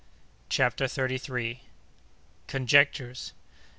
CHAPTER THIRTY THIRD. Conjectures.